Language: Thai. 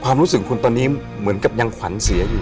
ความรู้สึกคุณตอนนี้เหมือนกับยังขวัญเสียอยู่